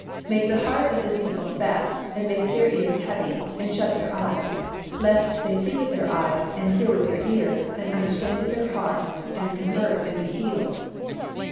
Make the heart of this people fat, and make their ears heavy, and shut their eyes; lest they see with their eyes, and hear with their ears, and understand with their heart, and convert and be healed."